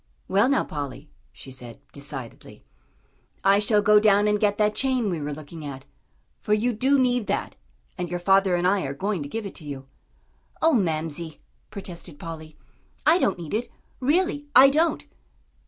"Well, now, Polly," she said, decidedly, "I shall go down and get that chain we were looking at. For you do need that, and your father and I are going to give it to you." "Oh, Mamsie," protested Polly, "I don't need it; really, I don't."